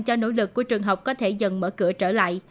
cho nỗ lực của trường học có thể dần mở cửa trở lại